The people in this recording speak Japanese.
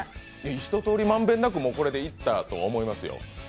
ひととおり満遍なく、これでいったと思いますよ。